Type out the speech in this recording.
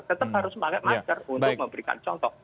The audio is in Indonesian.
tetap harus pakai masker untuk memberikan contoh